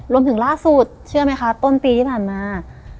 ล่าสุดเชื่อไหมคะต้นปีที่ผ่านมา